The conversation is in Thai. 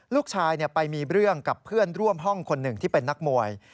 ลูกชายไปมีเรื่องกับเพื่อนร่วมห้องคนหนึ่งที่เป็นนักมวย